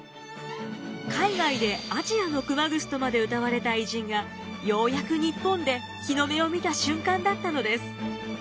海外で「アジアの熊楠」とまでうたわれた偉人がようやく日本で日の目を見た瞬間だったのです。